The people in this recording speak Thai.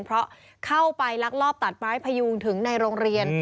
เพราะเข้าไปลักลอบตัดไม้พยุงถึงในโรงเรียน